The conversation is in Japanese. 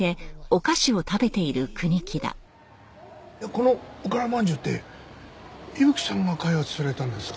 このおから饅頭って伊吹さんが開発されたんですか？